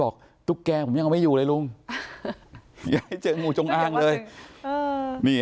บอกตุ๊กแกงผมยังเอาไว้อยู่เลยลุงอย่าให้เจองูจงอ่างเลยเออนี่